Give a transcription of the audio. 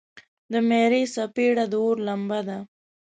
د میرې څپیړه د اور لمبه ده.